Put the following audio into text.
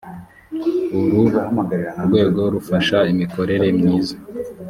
uru rwego rufasha imikorere myiza.